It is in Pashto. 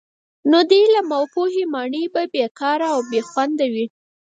نو د علم او پوهي ماڼۍ به بې کاره او بې خونده وي.